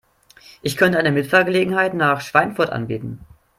Ich könnte eine Mitfahrgelegenheit nach Schweinfurt anbieten